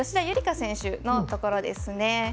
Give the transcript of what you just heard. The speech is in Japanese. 夕梨花選手のところですね。